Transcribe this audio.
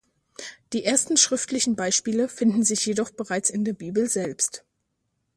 Die ersten schriftlichen Beispiele finden sich jedoch bereits in der Bibel selbst.